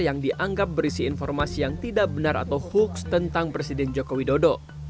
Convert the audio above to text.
yang dianggap berisi informasi yang tidak benar atau fuchs tentang presiden jokowi dodo